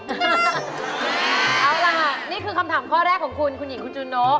เอาล่ะนี่คือคำถามข้อแรกของคุณคุณหญิงคุณจูนก